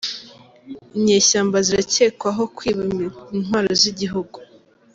Inyeshyamba ziracyekwaho kwiba intwaro zigihugu